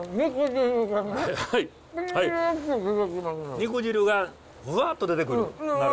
肉汁がブワっと出てくる。